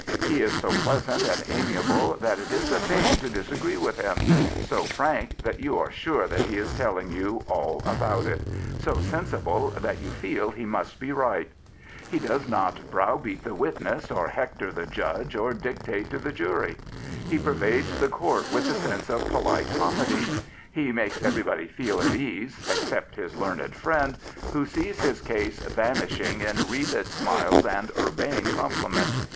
He is so pleasant and amiable that it is a pain to disagree with him ; so frank that you are sure that he is telling you all about it ; so sensible that you feel he must be right. He does not browt)ife.t the witness, or hectot the judge, or dictate to the jury. He pervaded the court with the sense of polite comedy. He makes 1 everybody feel at ease, except his learned friend, who sees his case vanishing in wreathed smiles and urbane compliment.